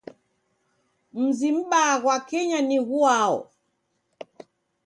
Mzi m'baa ghwa Kenya ni ghuao?